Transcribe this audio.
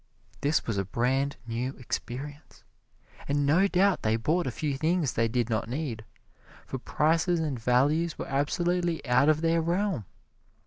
This was a brand new experience and no doubt they bought a few things they did not need, for prices and values were absolutely out of their realm.